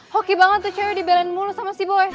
hoki banget tuh cewek dibelan mulu sama si boy